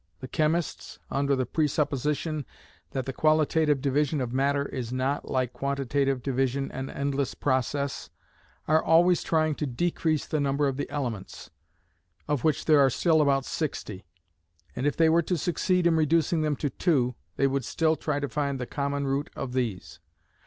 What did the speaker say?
The chemists, under the presupposition that the qualitative division of matter is not, like quantitative division, an endless process, are always trying to decrease the number of the elements, of which there are still about sixty; and if they were to succeed in reducing them to two, they would still try to find the common root of these.